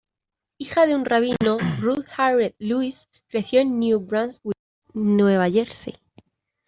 Hija de un rabino, Ruth Harriet Louise creció en New Brunswick, Nueva Jersey.